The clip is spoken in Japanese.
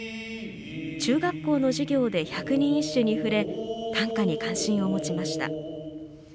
中学校の授業で百人一首に触れ短歌に関心を持ちました。